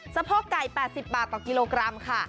สะโพกไก่๘๐บาทต่อกิโลกรัมค่ะ